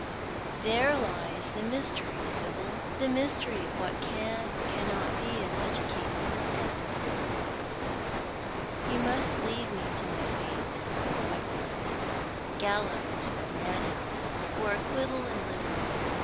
" There lies the mystery, Sibyl, the mystery of what can or cannot be in such a case as mine. You must leave me to my fate, my beloved— gallows or madhouse— or acquittal and liberty.